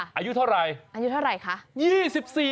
ค่ะอายุเท่าไรคะอยู่ที่เฉพาะ๒๔ปี